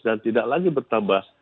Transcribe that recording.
dan tidak lagi bertambah